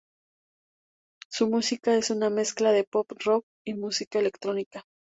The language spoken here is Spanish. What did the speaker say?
Su música es una mezcla de pop rock y música electrónica.